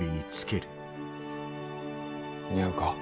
似合うか？